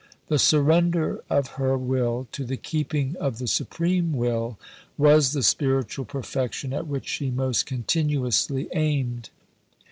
The surrender of her will to the keeping of the Supreme Will was the spiritual perfection at which she most continuously aimed.